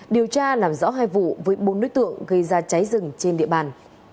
điều tra làm rõ hai vụ với bốn đối tượng gây ra cháy rừng trên địa bàn